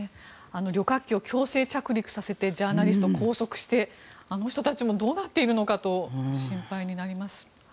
旅客機を強制着陸させてジャーナリストを拘束してあの人たちもどうなっているのかと心配になります。